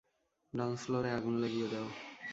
Dance ফ্লোরে আগুন লাগিয়ে দাও।